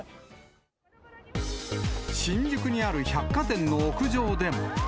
新宿にある百貨店の屋上でも。